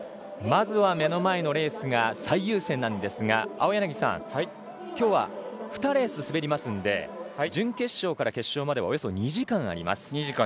まずは目の前のレースが最優先なんですが青柳さん、今日は２レース滑りますので準決勝から決勝までおよそ２時間あります。